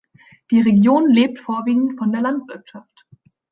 Die Region lebt vorwiegend von der Landwirtschaft.